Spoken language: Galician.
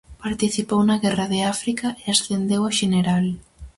Participou na Guerra de África e ascendeu a xeneral.